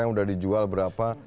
yang udah dijual berapa